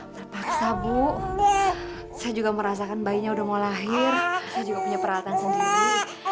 terpaksa bu saya juga merasakan bayinya udah mau lahir saya juga punya peralatan sendiri